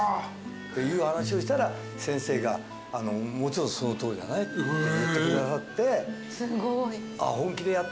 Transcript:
っていう話をしたら先生が「もちろんそのとおりじゃない」って言ってくださって。